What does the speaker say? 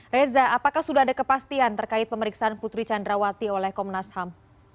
reza apakah sudah ada kepastian terkait pemeriksaan putri candrawati oleh komnas ham